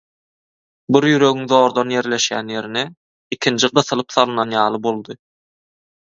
Bir ýüregiň zordan ýerleşýän ýerine ikinji gysylyp salynan ýaly boldy.